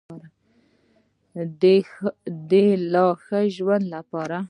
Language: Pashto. د لا ښه ژوند لپاره.